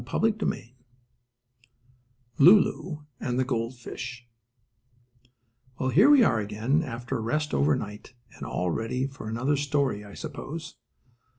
STORY VII LULU AND THE GOLD FISH Well, here we are again, after a rest over night, and all ready for another story, I suppose.